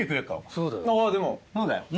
そうだよ。